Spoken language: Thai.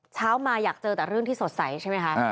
เช้ามาอยากเจอแต่เรื่องที่สดใสใช่ไหมคะ